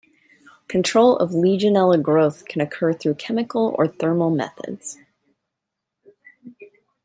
Control of "Legionella" growth can occur through chemical or thermal methods.